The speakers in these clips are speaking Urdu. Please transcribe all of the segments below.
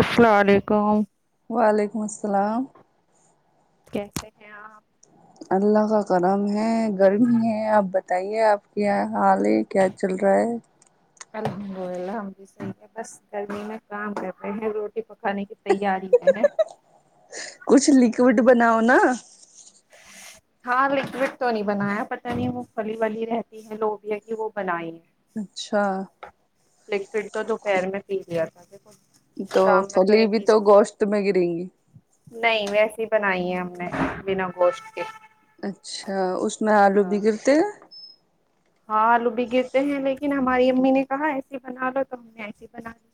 السلام علیکم وعلیکم السلام کیسے ہیں آپ اللہ کا کرم ہے گرمی ہے آپ بتائیے آپ کیا حال ہے کیا چل رہا ہے الحمد للہ بھی صحیح ہے بس گرمی میں کام کر رہے ہیں روٹی پکانے کی تییاری ہے ہے کچھ لکوڈ بناؤ نا ہاں لکوڈ تو نہیں بنایا پت نہیں وہ پھلی ولی رہتی ہے لوبیا کی وہ بنائی ہے اچھا لیک تو دوپہر میں پی لیا تھا ب شام میں تو پھلی نہیں بھی پی سکتے گوشت میں گریں گی نہیں ویسیے بنائی ہے ہم نے بنا گوش کے اچھا اس اس میں آلو ہاں بگڑتے ہاں آلو بھی گرتے ہیں لیکن ہماری امی نے کہا ایسیے بنا لو تو ہم نے ایسی بنا لی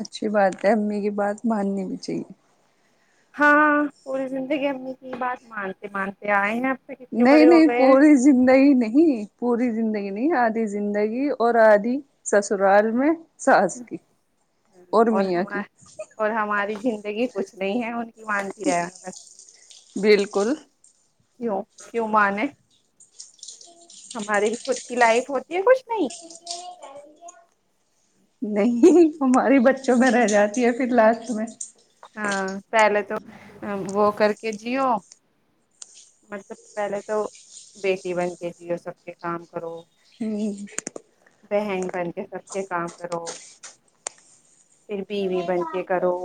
اچھی بات ہے امی کی بات ماننی بھی چاہیے ہاں پوری زندگی امی کی بات مانتے مانتے آئے ہیں تک اتنے نہیں بڑے ہو نہیں گئے ہیں پوری زندگی نہیں پوری زندگی نہیں آدھی زندگی اور آدھی سسرال میں سس کی اور میاں کی اور ہماری زندگی کچھ نہیں ہے ان مانتی آیا بس بالکل کیوں کیوں م نے ہماری بھی خود کی لائف ہوتی ہے کچھ نہیں نہیں ہماری بچوں میں رہ جاتی ہے پھر لاسٹ میں ہاں پہلے تو وہ کر جیو مطلب پہلے تو بیٹی بن کے جیو سب کے کام کرو ہوں بہن بہن کے سب کے کام کرو پھر پ بھی بن کے کرو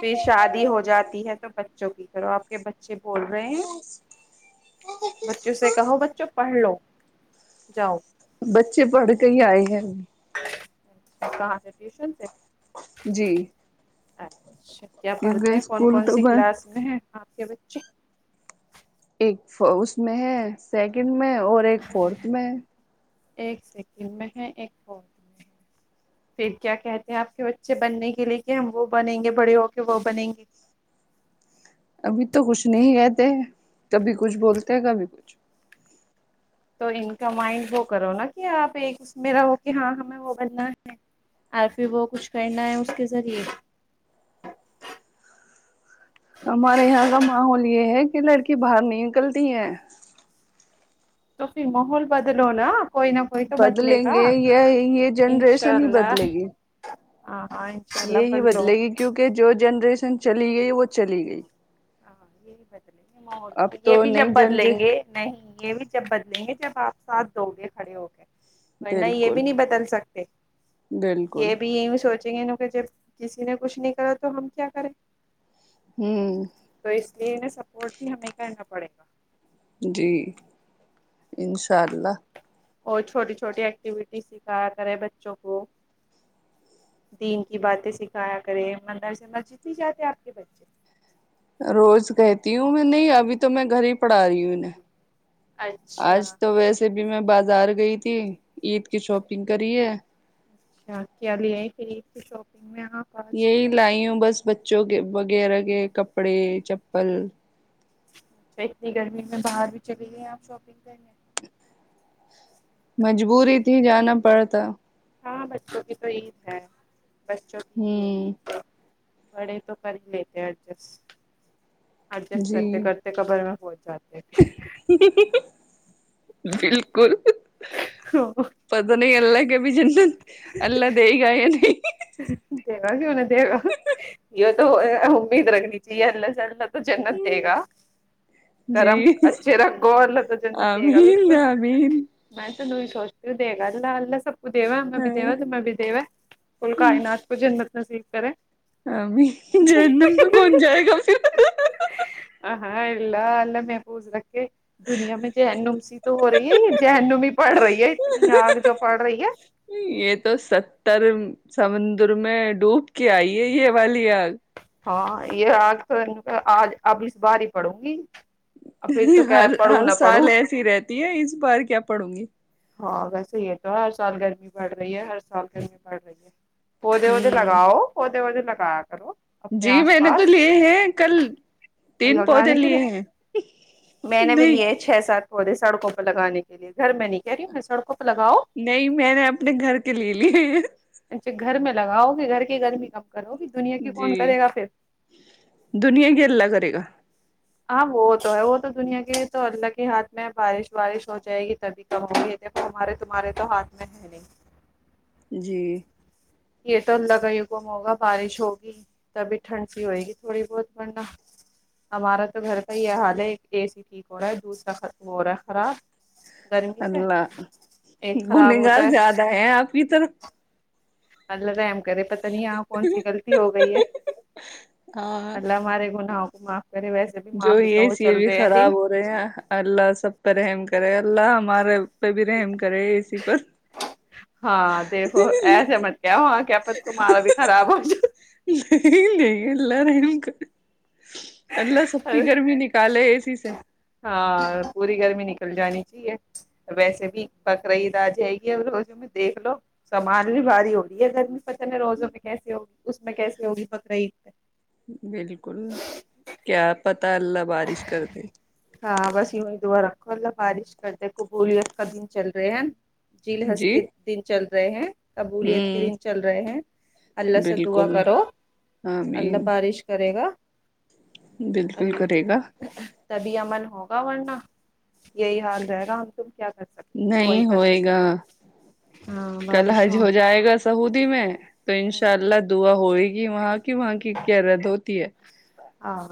پھر شادی ہو جاتی ہے تو ب کی کرو آ کے بچے بول رہے ہیں بچوں سے کہو بچوں پڑھ لو جاؤ بچے پڑھ کے ہی آئے ہیں کہاں سے ٹیوشن سے جی اچھا کیا کیونکہ پڑھتے ہیں کون اسکول کون تو سی ب کلاس میں ہے کے بچے ف اس میں ہے سیکنڈ میں اور ایک فورتھ میں ایک سیکنڈ میں ہے ایک فور میں ہے پھر کیا کہتے ہیں آپ کے بچے بننے کے لیے کہ ہم وہ بنیں گے بڑے ہو کے وہ بنیں گے ابھی تو کچھ نہیں کہتے ہیں کبھی کچھ بولتے ہیں کبھی کچھ تو ان کا مائنڈ وہ کرو نا کہ آپ ایک اس م رہا ہو کہ ہاں ہمیں وہ بننا ہے اور پھر وہ کچھ کرنا ہے اس کے ذریعے ہمارے یہاں کا ماحول یہ ہے کہ لڑکی باہر نہیں نکلتی ہے تو پھر محول بدلو نا کوئی نہ کوئی تو بدلے بدلیں گا گے یہ یہ انشاء جنریشن ہی اللہ بدلے گی ہاں ہاں انشاء یہ اللہ ہی بدلو بدلے گی کیونکہ جو جنریشن چلی گئی وہ چلی گئی ہاں یہی بت ب اب م یہ تو بھی جب نئی بدلیں گے جنریشن نہیں یہ بھی جب بدلیں گے جب آپ ساتھ دوؤ گے کھڑے ہو کے ورنہ یہ بالکل بھی نہیں بدل سکتے بالکل یہ بھی یہ سوچ چے ن کہ جب کسی نے کچھ نہیں کرا تو ہم کیا کریں ہوں تو اس لیے سپورٹ بھی ہمیں کرنا پڑے گا جی انشاء اللہ اور چھوٹی چھوٹی ایکٹیویٹیز سکھایا کرے بچوں کو دین کی باتیں سکھایا کرے مندرس مسجد بھی جاتے آپ کے بچے روز کہتی ہوں میں نہیں ابھی تو میں گھر ہی پڑھا رہی ہوں انہیں اچھا آج تو ویسے بھی اب میں بازار گئی تھی عید کی شاپنگ کری ہے اچھا کیال آ پری شاپگ یہی لائی ہوں بس بچوں کے وغیرہ کے کپڑے چپل اچھا اتنی گرمی میں باہر بھی چلے گئے آپ شاپنگ کرنے مجبوری تھی جانا پڑتا ہاں بچوں کی تو عید ہے بسوں کی ہی ہوں ہےید بڑے تو کر ہی لیتے ایڈجسٹ ایڈجسٹ جی کرتے کرتے قبر میں ہو بالکل پت نہیں اللہ کہب ج اللہ دے گ ہے نہیں دے گا کیوں نہیں دے گا یہ تو امید رگنی جی ل لگ ل تو جنت دے گا جی گرم اچھے رگو اور لت جنت دے گا آمین بالکل آمین میں ت یہ سوچتی ہ گ جاال اللہ سب ا دو ہم بھی د دیوا ہاں تم بھی دیو کاائے ناش کو ج سف کریں ابھی جنم پ کون جائے گا پھر ہاں علہ ال میں پوز ل کہ دنیا میں جہن نم س تو ہو رہی ہے جہن نمیمی پڑ رہی ہے اتنی آگ جو پڑھ رہی ہے یہ تو ستر سمندر میں ڈوب کے آئی ہے یہ والی آگ ہاں یہ آج آج اب اس بار ہی پڑوں گی اور پھر تو کیا ہر پڑھوں ہر نہ پڑھوں سال ایسی رہتی ہے اس بار کیا پڑھوں گی ہاں ویسے ہی تو ہر سال گرمی پڑ رہی ہے ہر سال گرمی پڑ رہی ہے وہے وہے ہوں لگاؤ وہ لگایا کرو اپنے جی آس میں نے تو لیے پاس ہیں کل تین پودے لگانے کے لیے ہیں میں نے بھی نہیں لیے ہے چھ سات پودے سڑکوں پر لگانے کے لیے گھر میں نہیں کہہ رہی ہوں میں سڑکوں پہ لگاؤ نہیں میں نے اپنے گھر کے لے لیے اچھا گھر میں لگاؤ گے گھر کے گرمی کب کرو کہ دنیا کی جی کون کرے گا پھر دنیا کی اللہ کرے گا ہاں وہ تو ہے وہ تو دنیا کے تو اللہ کے ہاتھ میں بارش وارش ہو جائے گی تبھی کہو گی ہمارے تمہارے تو ہاتھ میں ہے نہیں جی یہ تو ال لگا ہی گم ہوگا بارش ہوگی تبھی ٹھنڈ سی ہوئے گی تھوڑی بہت ورنہ ہمارا تو گھر کا یہ حال ہے اے سی ٹھیک ہو رہا ہے دودھ کا ہو رہا ہے خراب گرمی سے اللہ ایک خراب گنےگار ہوتا ہے زیادہ ہے آپ کی طرف ا ل توا کرے پت نہیں یہ کون سی غلطی ہو گئی ہے ہاں اللہ ہمارے گناہ جو یہ چ یہ بھی رہے ہیں دن خراب ہو رہے ہیں اللہ سب پر احم کرے گ اللہ ہمارے پہ بھی رحم کرے اے سی پر ہاں دیکھو ایسے مت کیا ہو کہ پس ت مارا بھی خراب ہو نہیں ن اللہ رہ اللہ سب کی گرمی نکالے اے سی سے چل جانی چاہیے ویسے بھی پکر عید آ جائے گی ا روزوں میں دیکھ لو سامان بھی بھاری ہوگی ہے گرمی پت نہیں روزوں میں کیسی ہوگی اس میں کیسے ہوگی پکریید بالکل کیا پ اللہ بارش کر دیں کلہ بارش کرتے قبولیت کا دن چل رہے ہیں نا جل ہنس جی کے دن چلتے ہیں قبولیت کے ہوں دن چل رہے ہیں اللہ سے دعا بالکل کرو اللہ آمین بارش کرے گا بالکل ال کری تبھی ہمار ہوگا ورننا یہی حال رہے گا ہم تم کیا کر سکیں دعائی نہیں کر ہوئے سکیں گا ہاں کل بارش حج ہو جائے گا سعودی میں تو ان ہوں شاء اللہ دعا ہوئے گی وہاں کہ وہاں کی کیا رد ہوتی ہے ہاں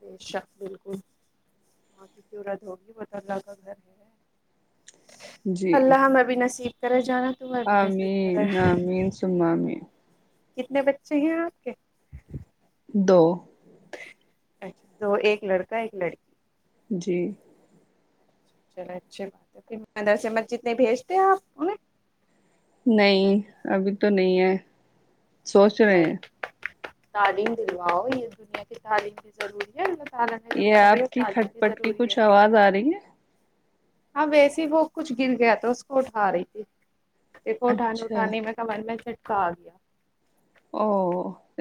بے شک بالکل وہاں کی قورت ہوگی بت اللہ کا گھر ہے اللہ مب نصب کریں جانا تمہیں بھی آ نصیب کرے مین آ مین سم مین کتنے بچے ہیں آپ کے دو اچھا تو ایک لڑکا ایک لڑکی جی چلو اچھی بات ہے پھردرس مت جتنے بھیجتے ہیں آپ انہیں نہیں ابھی تو نہیں ہے سوچ رہے نہیں ہیں تعلیم دلواؤ یہ دنیا کی تعلیم بھی ضروری ہے م یہ آپ کی کھٹ پٹ کی ہے کچھ آواز آ رہی ہے ہاں ویسے وہ کچھ گر گیا تھا اس کو اٹا رہی تھی دیکھو اٹھانے اچھا اٹھانے میں کہ من میں کا گیا او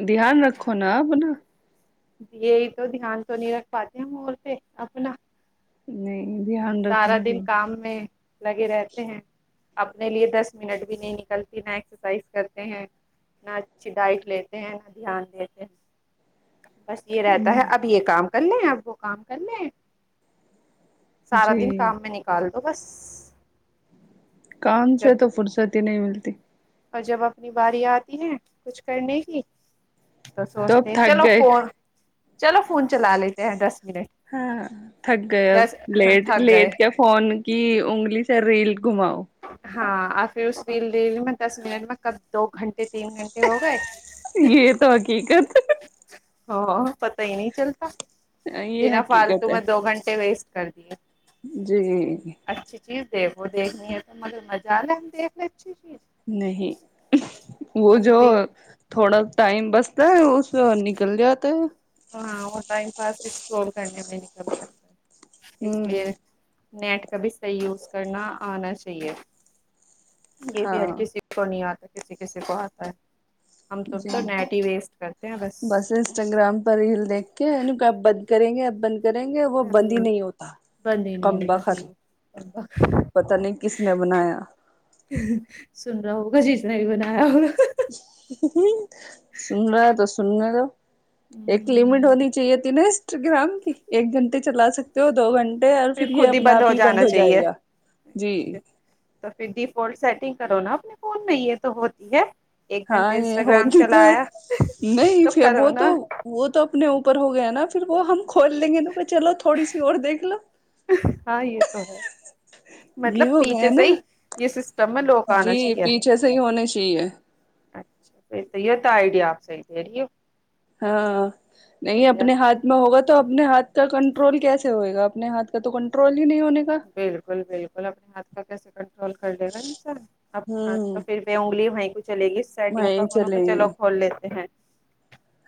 دھیان رکھو نا اپنا یہی تو دھیان تو نہیں رکھ پاتے ہم اور پہ اپنا نہیں دھیان سارا رکھنا دن چاہیے کام میں لگے رہتے ہیں اپنے لیے دس منٹ بھی نہیں نکلتی نہ ایکسرسائز کرتے ہیں نہ اچھی ڈائٹ لیتے ہیں نہ دھیان دیتے ہیں بس یہ رہتا ہے نہیں اب یہ کام کر ل آپ کو کام کر ل سارا دن جی کام میں نکال تو بس کام جب سے تو فرصت نہیں ملتی اور جب اپنی باری آتی ہے کچھ کرنے کی تو اب سوچتے ہیں تھک چلو گئے فون چلو فون چلا لیتے ہیں دس منٹ ہاں تھک گئے اب دس ہاں لیٹ تھک گئے لیٹ کیا فون کی انگلی سے ریل گھماؤ ہاں اور پھر اس دل د میں دس منٹ میں کب دو گھنٹے تین گھنٹے ہو گئے یہ تو حقیقت ہاں پتا ہی نہیں چلتا یہ بینا فالتو حقیقت ہے میں دو گھنٹے ویسٹ کر جی جیز دیکھو دیکنی ہے تو مگر مزہ آ لے ہم دیکھ لیں اچھی چیز نہیں وہ جو انگلی تھوڑا ٹائم بستا ہے اس س نکل جاتا ہے ہاں وہ ٹائم پاس اسکرول کرنے میں نکل جاتا ہے اس ہوں لئے نیٹ کا بھی صحیح یوز کرنا آنا چاہیے یہ بھی ہر ہاں کسی کو نہیں آتا کسی کسی کو آتا ہے ہم تم جی تو نیٹ ہی ویسٹ کرتے ہیں بس انسٹاگررام پر ریل دیک کے کہ آپ بند کریں گے آپ بند کریں گے وہ ہ بند ہی نہیں ہوتا بند نہیں کم ہوتا بخت پھرب پتا نہیں کس نے بنایا سن رہا ہو کچھ اس نے بھی بنایا ہوگا سن رہا ہے تو سننے تو ایک لمٹ ہونی چاہیے تھی ن انسٹا گرام کی ایک گھنٹے چلا سکتے ہو دو گھنٹے اور پھر یہ خود ہی اپنا بند آپ ہو جانا چاہیے جائے گا جی اا تو پھر ڈیفولٹ سیٹنگ کرو نا اپنے فون میں یہ تو ہوتی ہے ایک ہاں گھنٹے یہ انسٹاگرام ہولی تو چلایا نہیں تو پھر کرو وہ تو نا وہ تو اپنے اوپر ہو گیا نا پھر وہ ہم کھول لیں گے ن کہ چلو تھوڑی سی اور دیکھ لو ہ [inaudible] یہ ہو گیا نا یہ سسٹم میں لوگ آنا جی چاہیے پیچھے سے ہی ہونے چاہیے اچھا تو یہ تو آئیڈیا آپ صحیح دے رہی ہو ہاں نہیں صحیح ہے اپنے ہاتھ میں ہوگا اپنے ہاتھ کا کنٹرول کیسے ہوئے گا اپنے ہاتھ کا تو کنٹرول ہی نہیں ہونے کا بالکل بالکل اپنے ہاتھ کا کیسے کنٹرول کر لے گا ن سب اپنے ہاتھ تو ہوں پھر ب اگلیھ چلے گی سیٹنگ کا وہیں انونوں کے چلیں چلو گے کھول لیتے ہیں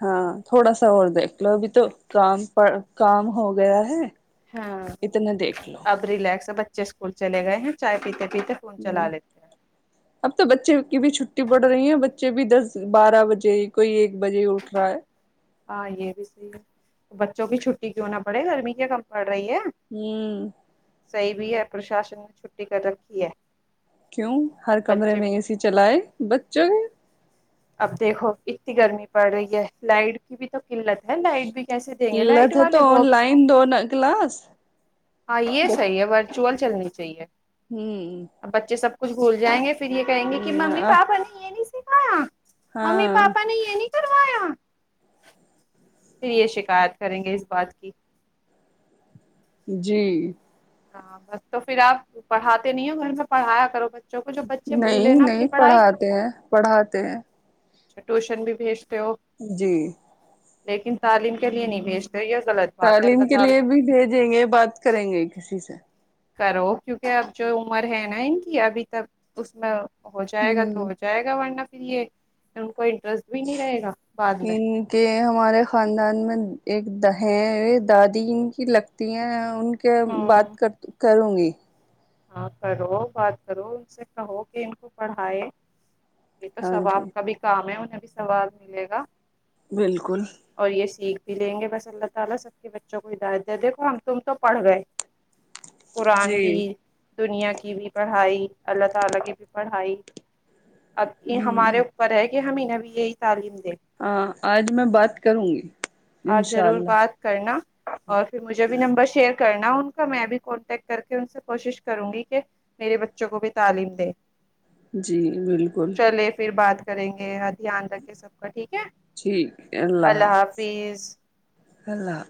ہاں تھوڑا سا اور دیکھ لو ابھی تو کام کام ہو گیا ہے ہاں اتنا دیکھ لو اب ریلیکس ہے ب ے اسکول چلے گئے ہیں چائے پیتے پیتے فون ہ چلا لیتے ہیں اب تو بچے کی بھی چھٹی پڑ رہی ہیں چ بھی دس بارہ بجے کوئی ایک بجے اٹھ رہا ہے ہاں یہ بھی صحی ہے بچوں کی چھٹی کیوں نہ پڑے گرمی کیا کم پڑ رہی ہے ہوں [inaudible] صحی بھی ہے پرشاسن نے چھٹی کر رکھی ہے کیوں ہر کمرے بچے میں اے سی چلائے بچوں کے اب دیکھو اتنی گرمی پڑ رہی ہے لائٹ کی بھی تو قلت ہے لائٹ بھی کیسے دیں گے لہ لائٹ تھا تو والے انن وہ بھی لائن دو ا کلاس چول چلنی چاہیے ہوں [inaudible] اب بچے سب کچھ بھول جائیں گے پھر یہ کہیں گے کہ ممی ہ پاپا نے یہ نہیں ہاں [inaudible] ممی ہاں پاپا نہیں یہ نہیں کروایا پھر یہ شکایت کریں گے اس بات کی جی ہاں بس تو پھر آپ پڑھاتے نہیں ہو گھر میں پڑھایا کرو بس نہیں نہیں پڑھاتے ہیں پڑھاتے ہیں اچھا ٹیوشن بھیج جی لیکن تعلیم کے لیے نہیں بھیج تعلیم کے لیے بھی بھیجیں گے بات کریں گے کسی سے کرو کیونکہ اب جو عمر ہے نا ان کی ابھی تک اس میں ہو جائے گا تو ہوں ہو جائے گا ورنہ پھر کو انٹرسٹ بھی نہیں رہے گا بعد میں ان کے ہمارے خاندان میں ایک د ہیں یہ دادی ان کی لگتی ہیں ان ہاں بات کر کرروں گی ہاں کرو بات کرو ان سے کہو کہ ان کو پڑھائے یہ تو ہاں سو جی آاب کا بھی کام ہے ب سوال ملے گا بالکل اور یہ سیکھ بھی لیں گے بس اللہ تعالی سب کے بچوں کو ہدایت د دی دیکو ہم تم تو پڑھ گئے قرآن بھی جی دنیا کی بھی پڑھائی اللہ تعالی کی بھی پڑھائی اب یہ ہمارے اوپر ہے کہ ہمیینہ بھی یہی تعلیم دیں ہاں آج میں بات کروں گی آپ انشاء ضرور اللہ بات کرنا اور پھر مجھے بھی نمبر شیئر کرنا کا میں بھیھی کانٹیکٹ کر کے ان سے کوشش کر کروں گی کہ میرے بچوں کو بھی تعلیم دے جی بالکل چلے پھر بات کریں گے دھیان رکھے سب کا ٹھیک ہے ٹھیک ہے اللہ حافظ اللہ